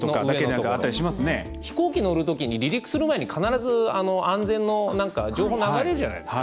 飛行機乗るときに離陸する前に必ず安全の情報流れるじゃないですか。